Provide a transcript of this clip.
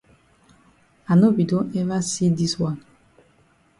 I no be don ever see dis wan.